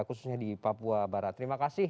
khususnya di papua barat terima kasih